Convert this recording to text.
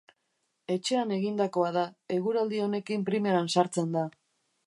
Etxean egindakoa da, eguraldi honekin primeran sartzen da.